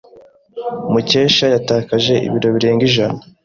Mukesha yatakaje ibiro birenga ijana.